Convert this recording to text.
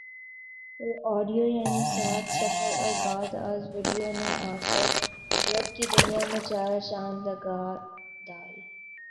پھر آڈیو یعنی ص سفر اور بعد آز ویڈیو نے آکر ویب کی دنیا میں چارہ چاند لگا د